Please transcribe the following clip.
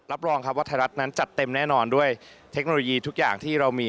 รับรองครับว่าไทยรัฐนั้นจัดเต็มแน่นอนด้วยเทคโนโลยีทุกอย่างที่เรามี